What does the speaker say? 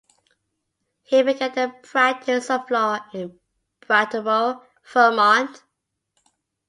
He began the practice of law in Brattleboro, Vermont.